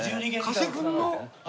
加瀬君の？